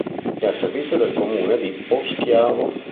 È al servizio del comune di Poschiavo.